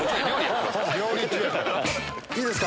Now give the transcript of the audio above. いいですか？